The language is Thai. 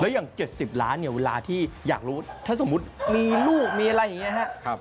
แล้วอย่าง๗๐ล้านเวลาที่อยากรู้ถ้าสมมุติมีลูกมีอะไรอย่างนี้